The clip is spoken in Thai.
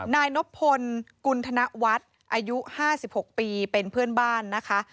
นายนบพลกุณธนวัฒน์อายุ๕๖ปีเป็นเพื่อนบ้านนะคะ